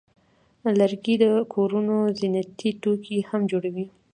لرګی د کورونو زینتي توکي هم جوړوي.